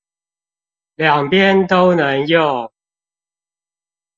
兩邊都能用